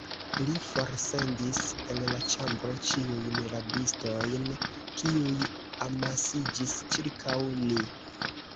Li forsendis el la ĉambro ĉiujn rabistojn, kiuj amasiĝis ĉirkaŭ ni.